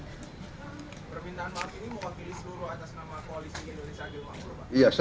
permintaan maaf ini mengwakili seluruh atas nama koalisi indonesia agil mahmur pak